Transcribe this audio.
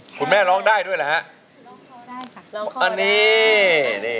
คุณแม่ร้องได้ด้วยหรอฮะ